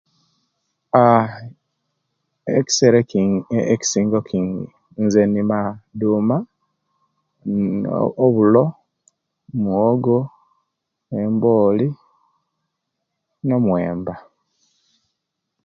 Aaa ekisera ekis nze inima duma, obulo muwogo, emboli, no muwemba